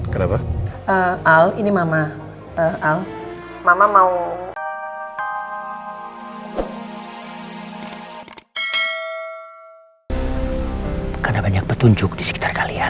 karena banyak petunjuk di sekitar kalian